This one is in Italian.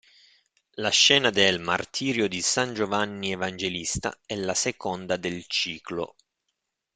La scena del "Martirio di San Giovanni Evangelista" è la seconda del ciclo.